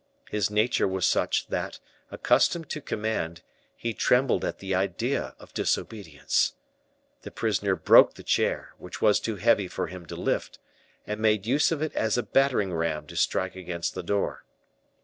His nature was such, that, accustomed to command, he trembled at the idea of disobedience. The prisoner broke the chair, which was too heavy for him to lift, and made use of it as a battering ram to strike against the door.